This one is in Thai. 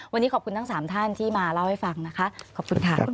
วันนี้ขอบคุณทั้ง๓ท่านที่มาเล่าให้ฟังนะคะขอบคุณค่ะ